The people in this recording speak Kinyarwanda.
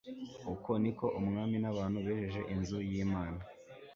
uko ni ko umwami n'abantu bejeje inzu y'imana